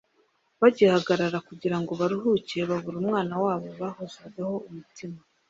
Bagihagarara kugira ngo baruhuke, babura umwana wabo bahozagaho umutima.